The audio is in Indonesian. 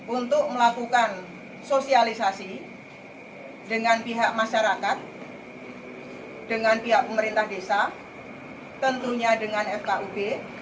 untuk melakukan sosialisasi dengan pihak masyarakat dengan pihak pemerintah desa tentunya dengan fkub